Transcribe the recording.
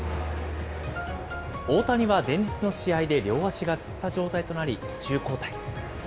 大谷は前日の試合で両足がつった状態となり、途中交代。